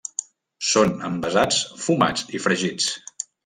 Són envasats, fumats i fregits.